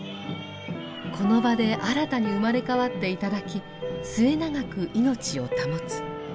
この場で新たに生まれ変わって頂き末永く命を保つ。